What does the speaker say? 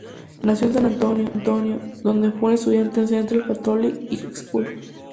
Nació en San Antonio, donde fue un estudiante en Central Catholic High School.